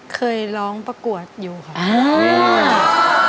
เคยร้องประกวดอยู่ค่ะ